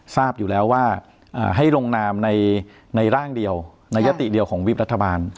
ทราบอยู่แล้วว่าให้ลงนามในร่างเดียวในยติเดียวของวิบรัฐบาล